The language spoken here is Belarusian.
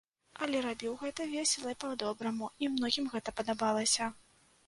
Але рабіў гэта весела і па-добраму, і многім гэта падабалася.